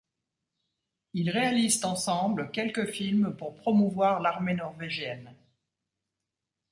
Ils réalisent ensemble quelques films pour promouvoir l'Armée norvégienne.